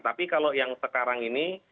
tapi kalau yang sekarang ini